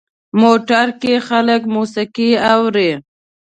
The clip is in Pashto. موټر کې خلک موسیقي اوري.